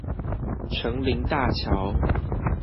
城林大橋